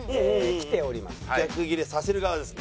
逆ギレさせる側ですね。